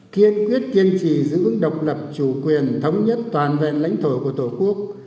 kiên quyết kiên trì giữ vững độc lập chủ quyền thống nhất toàn vẹn lãnh thổ của tổ quốc